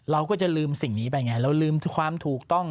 ลืมสิ่งนี้ไปไงแล้วลืมความถูกต้อง